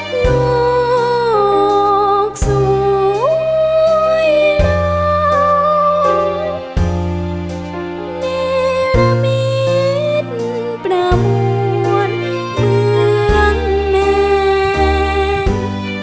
ลูกสวยร้อนเนรมิตประมวลเมืองแม่ง